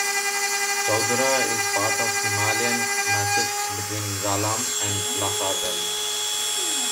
Chaudhara is the part of Himalayan massif between Ralam and Lassar valley.